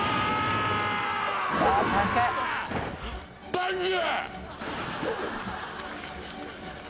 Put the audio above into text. バンジー！？